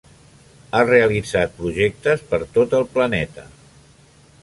Ha realitzat projectes per tot el planeta.